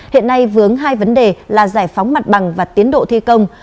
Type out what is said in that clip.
hiện nay vướng hai vấn đề là giải phóng mặt bằng và tiến độ thi công